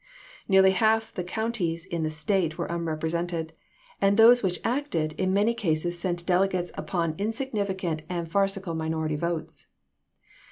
Nearly half the counties in the State were unrepresented, and those which acted, in many cases sent delegates cyciopa upon insignificant and farcical minority votes.